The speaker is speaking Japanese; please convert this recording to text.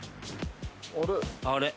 あれ。